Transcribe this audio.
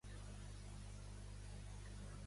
Amb quina exclamació va començar a trotar l'egua?